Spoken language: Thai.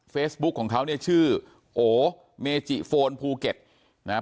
เฟซบุ๊คของเขาเนี่ยชื่อโอเมจิโฟนภูเก็ตนะฮะ